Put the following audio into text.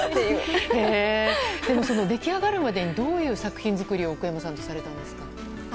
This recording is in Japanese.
でも出来上がるまでどういう作品作りを奥山さんとされたんですか？